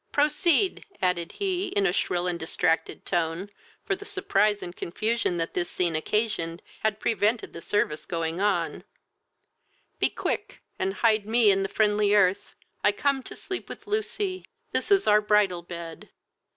Proceed, (added he, in a shrill and distracted tone, for the surprise and confusion that this scene occasioned had prevented the service going on,) be quick, and hide me in the friendly earth! I come to sleep with Lucy: this is our bridal bed!